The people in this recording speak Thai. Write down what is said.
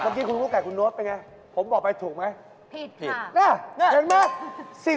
เมื่อกี้คุณกุ๊กไก่คุณโน๊ตเป็นไงผมบอกไปถูกไหม